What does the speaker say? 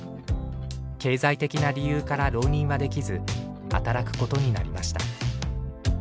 経済的な理由から浪人はできず働くことになりました。